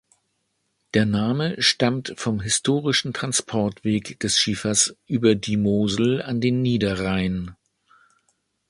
Der Name stammt vom historischen Transportweg dieses Schiefers über die Mosel an den Niederrhein.